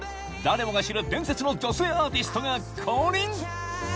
誰もが知る伝説の女性アーティストが降臨！